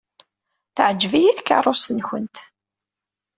Teɛjeb-iyi tkeṛṛust-nwent.